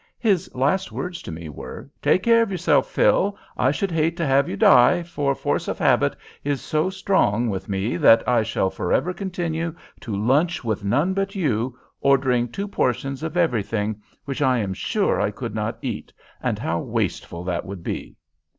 His last words to me were, "Take care of yourself, Phil! I should hate to have you die, for force of habit is so strong with me that I shall forever continue to lunch with none but you, ordering two portions of everything, which I am sure I could not eat, and how wasteful that would be!"